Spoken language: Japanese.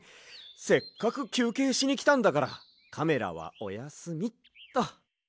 せっかくきゅうけいしにきたんだからカメラはおやすみっと。